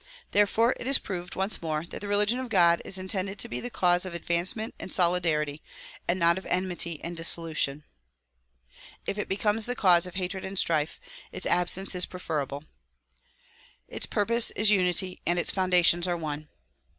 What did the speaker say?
Therefore it is proved once more that the religion of God is intended to be the c^use of advancement and solidarity and not of enmity and dissolution. If DISCOURSE DELIVERED IN JERSEY CITY 125 it becomes the cause of hatred and strife its absence is preferable. Its purpose is unity and its foundations are one.